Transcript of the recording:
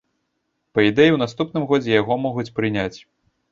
Па ідэі, у наступным годзе яго могуць прыняць.